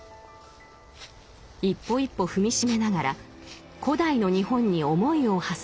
一歩一歩踏み締めながら古代の日本に思いをはせる旅。